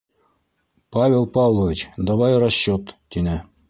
— Павел Павлович, давай расчет, — тине.